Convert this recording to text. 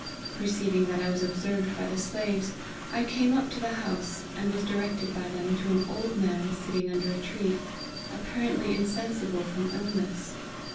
Perceiv ing that I was observed by the slaves, I came up to the house, and was directed oy them to an old man sitting under a tree, apparently insensible from illness.